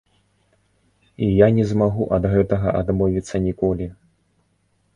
І я не змагу ад гэтага адмовіцца ніколі.